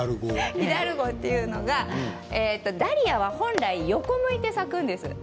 イダルゴというのはダリアは本来、横を向いて咲くんです。